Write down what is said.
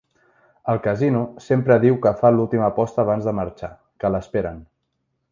Al casino sempre diu que fa l'última aposta abans de marxar, que l'esperen.